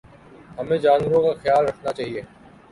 ہمیں جانوروں کا خیال رکھنا چاہیے